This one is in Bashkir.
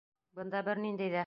Бында бер ниндәй ҙә...